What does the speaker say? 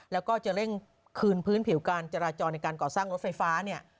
แล้วก็จะเร่งคืนพื้นผิวการจราจรในการก่อสร้างรถไฟฟ้าเนี่ย